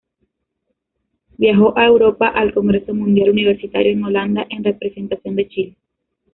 Viajó a Europa al Congreso Mundial Universitario en Holanda en representación de Chile.